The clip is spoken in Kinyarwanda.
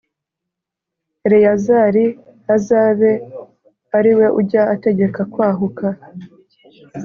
Eleyazari azabe ari we ujya ategeka kwahuka